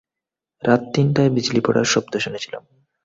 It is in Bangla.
রাত তিনটায়, বিজলি পড়ার শব্দ শুনেছিলাম।